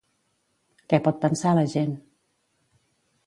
Què pot pensar la gent?